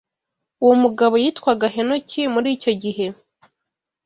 Uwo mugabo yitwaga Henoki muri icyo gihe